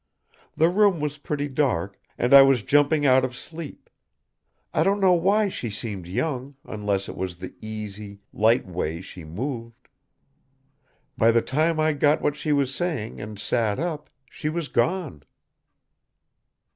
The room was pretty dark, and I was jumping out of sleep. I don't know why she seemed young unless it was the easy, light way she moved. By the time I got what she was saying and sat up, she was gone."